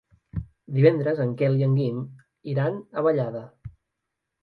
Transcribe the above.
Divendres en Quel i en Guim iran a Vallada.